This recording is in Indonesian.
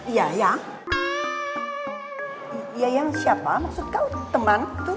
yayang yayang siapa maksud kau teman tuh